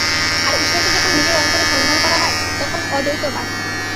আর ঈশ্বরকে যখন নিজের অন্তরে সন্ধান করা হয়, তখন অদ্বৈতবাদ।